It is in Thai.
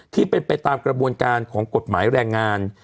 ที่เป็นไปตามกระบวนการของกฎหมายแรงงาน